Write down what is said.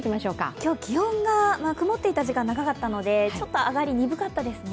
今日、気温が曇っていた時間長かったので上がり、鈍かったんですね。